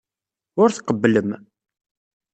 Ur tqebblem.